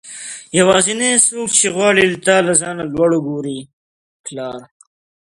يوازنی څوک چې غواړي له ځانه تا لوړ وګورئ